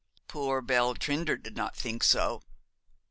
'Poor Belle Trinder did not think so.'